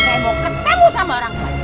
saya mau ketemu sama orang tua